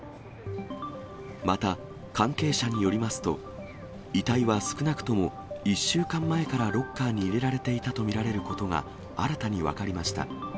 また、関係者によりますと、遺体は、少なくとも１週間前からロッカーに入れられていたと見られることが、新たに分かりました。